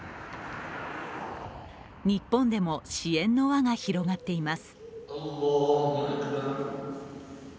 日本でも支援の輪が広がっています。